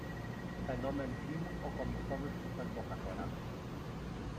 Fenomen filmów o komiksowych superbohaterach.